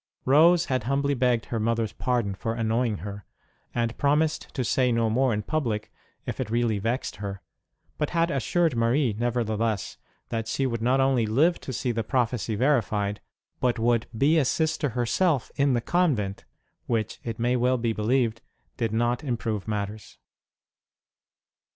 Rose had humbly begged her mother s pardon for annoying her, and promised to say no more in public if it really vexed her ; but had assured Marie, nevertheless, that she would not only live to see the prophecy verified, but would be a Sister herself in the convent which, it may well be believed, did not improve matters.